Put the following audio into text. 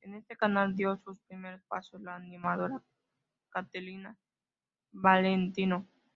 En este canal dio sus primeros pasos la animadora Katerina Valentino.